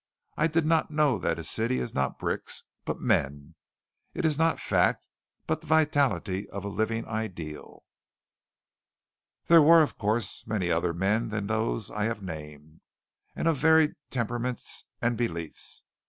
I did not know that a city is not bricks but men, is not fact but the vitality of a living ideal. There were, of course, many other men than those I have named, and of varied temperaments and beliefs.